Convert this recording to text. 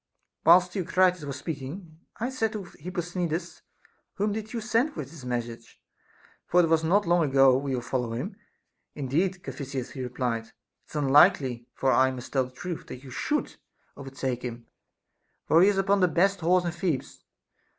Whilst Theocritus was speaking, I said to Hip posthcnides, Whom did you send with this message? for if it was not long ago, we will follow him. Indeed, Ca phisias, he replied, it is unlikely (for I must tell the truth) that you should overtake him, for he is upon the best horse in Thebes.